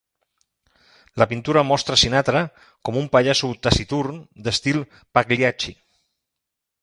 La pintura mostra Sinatra com un pallasso taciturn d'estil Pagliacci.